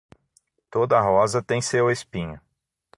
Toda rosa tem seu espinho.